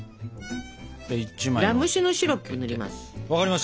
ラム酒のシロップ塗ります。